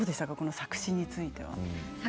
作詞については。